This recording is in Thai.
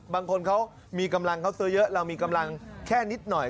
บางคนเขามีกำลังเขาซื้อเยอะเรามีกำลังแค่นิดหน่อย